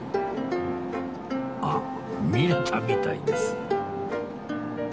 あっ見れたみたいです